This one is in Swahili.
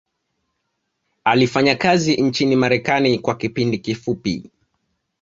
alifanya kazi nchini marekani kwa kipindi kifupi